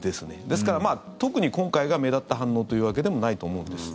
ですから、特に今回が目立った反応というわけでもないと思うんです。